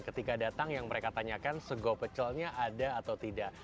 ketika datang yang mereka tanyakan sego pecelnya ada atau tidak